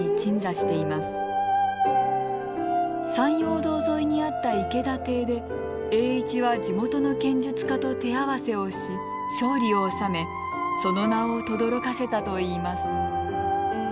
山陽道沿いにあった池田邸で栄一は地元の剣術家と手合わせをし勝利を収めその名をとどろかせたといいます。